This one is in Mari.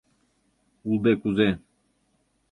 Улде кузе...